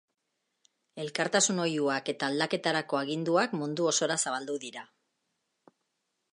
Elkartasun oihuak eta aldaketarako aginduak mundu osora zabaldu dira.